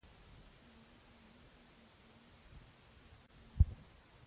د مېلو پر مهال خلک له ستړیا او فشار څخه خلاصون مومي.